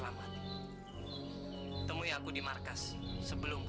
memang itu kepadanya serti